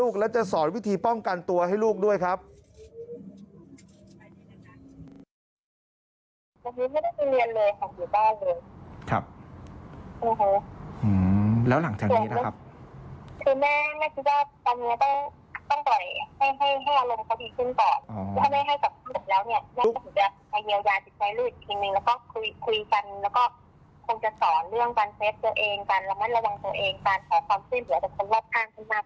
ความเต้นหัวจากคนรอบข้างข้างหน้าแบบนี้ค่ะ